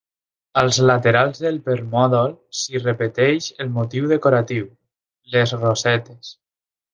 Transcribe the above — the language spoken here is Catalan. Als laterals del permòdol s'hi repeteix el motiu decoratiu, les rosetes.